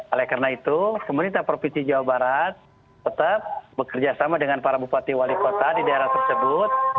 oleh karena itu pemerintah provinsi jawa barat tetap bekerja sama dengan para bupati wali kota di daerah tersebut